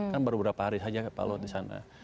kan baru beberapa hari saja pak luhut di sana